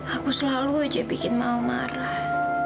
aku selalu aja bikin mau marah